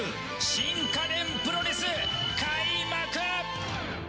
新家電プロレス、開幕！